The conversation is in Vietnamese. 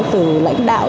từ lãnh đạo